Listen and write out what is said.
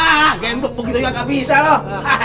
hah gembok begitu juga gak bisa loh